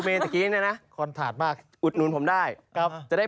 เมนต์เนี้ยน่ะควรถาดมากอุดหนุนผมได้ครับจะได้